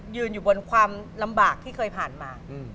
อยู่บนความลำบากที่เคยผ่านมา